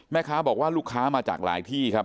แม่ค้าบอกว่าลูกค้ามาจากหลายที่ครับ